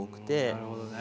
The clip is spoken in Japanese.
なるほどね。